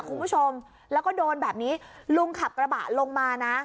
คุณผู้ชมแล้วก็โดนแบบนี้ลุงขับกระบะลงมานะ